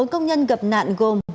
bốn công nhân gặp nạn gồm